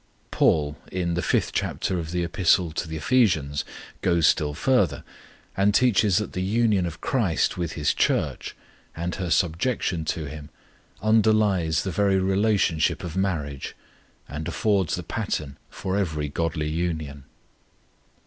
Paul, in the fifth chapter of the Epistle to the Ephesians, goes still further, and teaches that the union of CHRIST with His Church, and her subjection to Him, underlies the very relationship of marriage, and affords the pattern for every godly union.